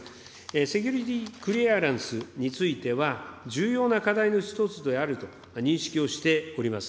セキュリティ・クリアランスについては、重要な課題の一つであると認識をしております。